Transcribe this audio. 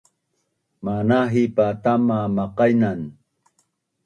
Manahip pa tama maqainan